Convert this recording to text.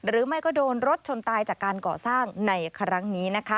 หรือไม่ก็โดนรถชนตายจากการก่อสร้างในครั้งนี้นะคะ